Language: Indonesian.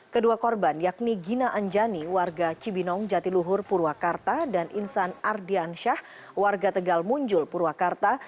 kedua korban yakni gina anjani warga cibinong jatiluhur purwakarta dan insan ardiansyah warga tegal munjul purwakarta